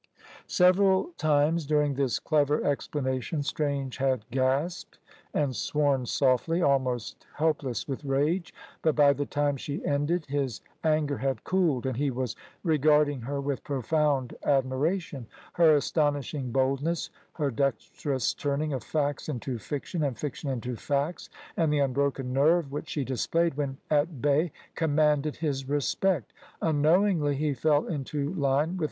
Several times during this clever explanation Strange had gasped and sworn softly, almost helpless with rage. But by the time she ended his anger had cooled, and he was regarding her with profound admiration. Her astonishing boldness, her dexterous turning of facts into fiction and fiction into facts, and the unbroken nerve which she displayed when at bay, commanded his respect. Unknowingly he fell into line with M.